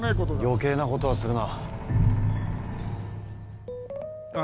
余計なことはするな。